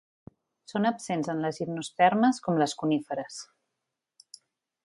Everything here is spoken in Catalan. Són absents en les gimnospermes com les coníferes.